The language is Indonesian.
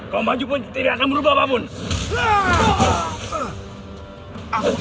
kalau maju pun tidak akan berubah apapun